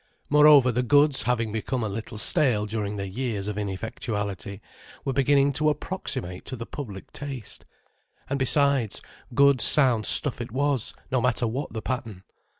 Moreover the goods, having become a little stale during their years of ineffectuality, were beginning to approximate to the public taste. And besides, good sound stuff it was, no matter what the pattern.